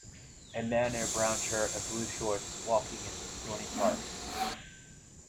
A man in a brown shirt and blue shorts walking in Droney Park.